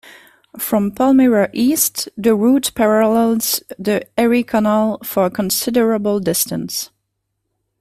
From Palmyra east, the route parallels the Erie Canal for a considerable distance.